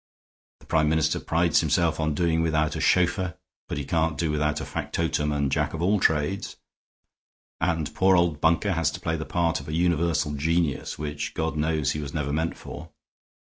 The Prime Minister prides himself on doing without a chauffeur, but he can't do without a factotum and Jack of all trades; and poor old Bunker has to play the part of a universal genius, which God knows he was never meant for.